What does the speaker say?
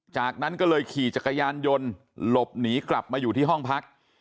จากนั้นก็เลยขี่จักรยานยนต์หลบหนีกลับมาอยู่ที่ห้องพัก